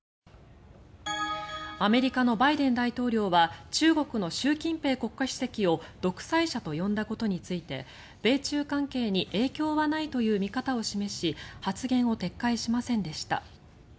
アメリカのバイデン大統領は中国の習近平国家主席を独裁者と呼んだことについて米中関係に影響はないという見方を示し発言を撤回しませんでした。